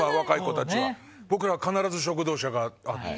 佑蕕必ず食堂車があって。